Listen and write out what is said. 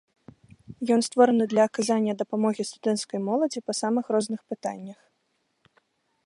Ён створаны для аказання дапамогі студэнцкай моладзі па самых розных пытаннях.